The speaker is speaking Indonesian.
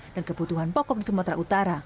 dan kebutuhan pokok di sumatera utara